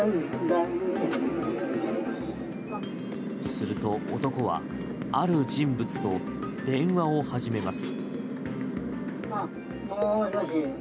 すると、男はある人物と電話を始めます。